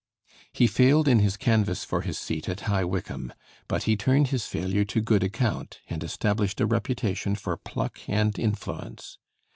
He failed in his canvass for his seat at High Wycombe, but he turned his failure to good account, and established a reputation for pluck and influence.